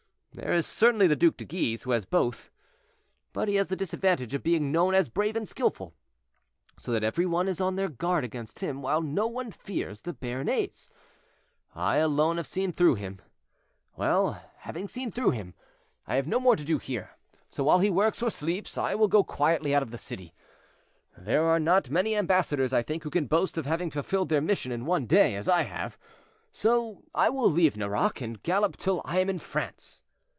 "There is certainly the Duc de Guise, who has both, but he has the disadvantage of being known as brave and skillful, so that every one is on their guard against him, while no one fears the Béarnais. I alone have seen through him. Well, having seen through him, I have no more to do here; so while he works or sleeps, I will go quietly out of the city. There are not many ambassadors, I think, who can boast of having fulfilled their mission in one day, as I have. So I will leave Nerac, and gallop till I am in France."